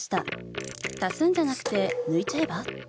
足すんじゃなくて抜いちゃえば？